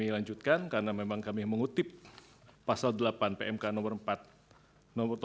dengan menggunakan suara sah yang ditetapkan oleh ppw ri dengan menggunakan suara sah icha dan hatiagna ketahuan yang dievokasi pencipta lemon konsultas